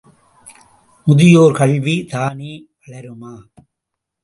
முதியோர் கல்வி, தானே வளருமா?